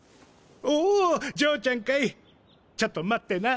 おぉ嬢ちゃんかいちょっと待ってな。